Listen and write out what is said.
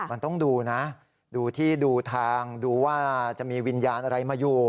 มันต้องดูนะดูที่ดูทางดูว่าจะมีวิญญาณอะไรมาอยู่